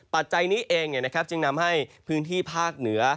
ปัจจัยนี้เองจึงทำให้พื้นที่ภาคเหนือ